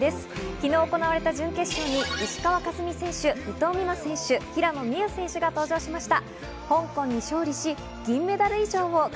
昨日行われた準決勝に石川佳純選手、伊藤美誠選手、平野美宇選手が登場しました。